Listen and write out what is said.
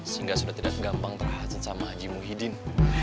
sehingga sudah tidak gampang terhasil sama haji muhyiddin